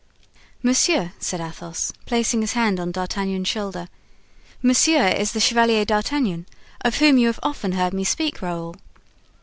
"Monsieur," said Athos, placing his hand on D'Artagnan's shoulder, "monsieur is the Chevalier D'Artagnan of whom you have often heard me speak, Raoul."